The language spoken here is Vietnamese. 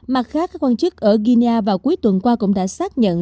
mặt khác các quan chức ở guinia vào cuối tuần qua cũng đã xác nhận